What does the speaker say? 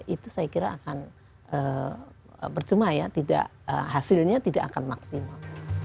itu saya kira akan percuma ya hasilnya tidak akan maksimal